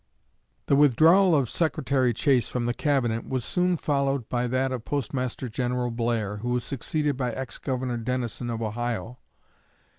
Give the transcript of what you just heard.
The withdrawal of Secretary Chase from the Cabinet was soon followed by that of Postmaster General Blair, who was succeeded by ex Governor Dennison of Ohio.